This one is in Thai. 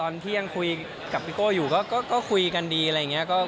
ตอนที่ยังคุยกับพี่โก้อยู่ก็คุยกันดีอะไรอย่างนี้